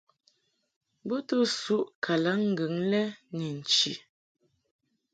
Bo to suʼ kalaŋŋgɨŋ kɛ ni nchi.